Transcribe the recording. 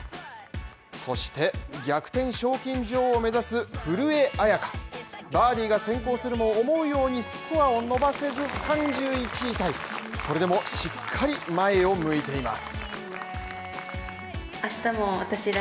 そして、逆転賞金女王を目指す古江彩佳バーディーが先行するも思うようにスコアを伸ばせず３１タイ、それでもしっかり前を向いています。